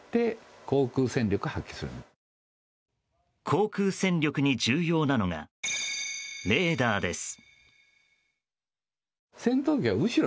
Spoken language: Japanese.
航空戦力に重要なのがレーダーです。